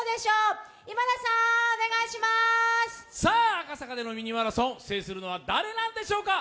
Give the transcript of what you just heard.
赤坂での「ミニマラソン」、制するのは誰なんでしょうか。